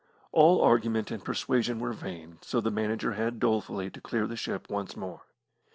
All argument and persuasion were vain, so the manager had dolefully to clear the ship once more.